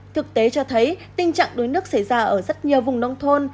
thực tế cho thấy tình trạng đuối nước xảy ra ở rất nhiều vùng nông thôn